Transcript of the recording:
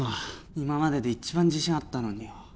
今までで一番自信あったのによ